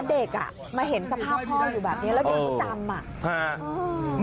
เด็กอ่ะมาเห็นสภาพพ่ออยู่แบบนี้แล้วก็ยังไม่จำอ่ะอืม